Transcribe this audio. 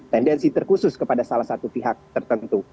tandensi terkhusus kepada salah satu pihak tertentu